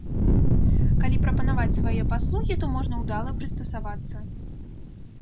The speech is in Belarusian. Калі прапанаваць свае паслугі, то можна ўдала прыстасавацца.